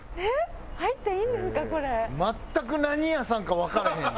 全く何屋さんかわかれへん。